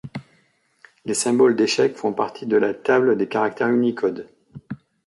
Les symboles d'échecs font partie de la table des caractères Unicode.